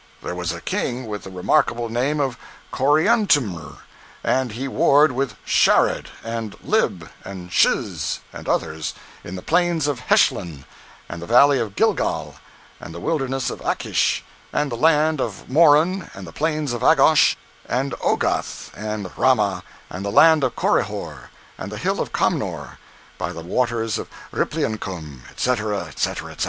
There was a King with the remarkable name of Coriantumr, and he warred with Shared, and Lib, and Shiz, and others, in the "plains of Heshlon"; and the "valley of Gilgal"; and the "wilderness of Akish"; and the "land of Moran"; and the "plains of Agosh"; and "Ogath," and "Ramah," and the "land of Corihor," and the "hill Comnor," by "the waters of Ripliancum," etc., etc., etc.